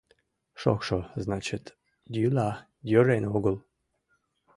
Шокшо, значыт, йӱла, йӧрен огыл.